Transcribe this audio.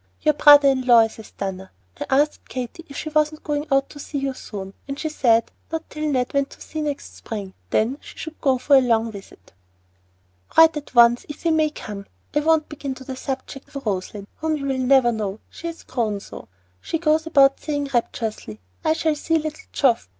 Your brother in law is a stunner! I asked Katy if she wasn't going out to see you soon, and she said not till Ned went to sea next spring, then she should go for a long visit. Write at once if we may come. I won't begin on the subject of Röslein, whom you will never know, she has grown so. She goes about saying rapturously, "I shall see little Geoff!